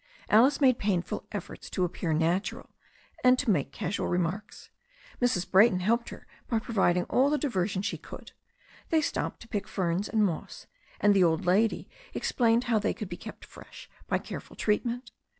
Alice made painful efforts to appear natural, and to make casual re marks. Mrs. Brayton helped her by providing all the di version she could. They stopped to pick ferns and moss, and the old lady explained how they could be kept fresh by careful treatment.